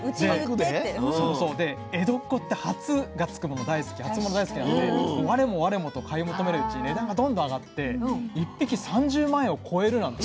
で江戸っ子って初が付くもの大好き初物大好きなので我も我もと買い求めるうちに値段がどんどん上がって１匹３０万円を超えるなんて。